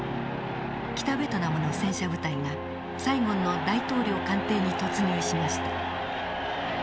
北ベトナムの戦車部隊がサイゴンの大統領官邸に突入しました。